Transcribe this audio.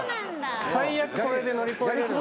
最悪これで乗り越えれる。